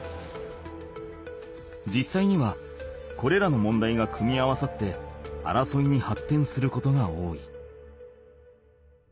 じっさいにはこれらの問題が組み合わさって争いにはってんすることが多い。